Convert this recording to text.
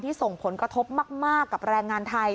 ส่งผลกระทบมากกับแรงงานไทย